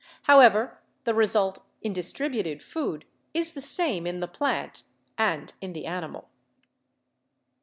However, the result in distributed food is the same in the plant and in the animal.